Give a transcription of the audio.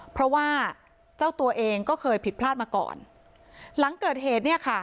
เพราะว่าเจ้าตัวเองก็เคยผิดพลาดมาก่อนหลังเกิดเหตุเนี่ยค่ะ